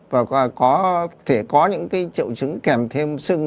và có thể có những cái chậu trứng kèm thêm sưng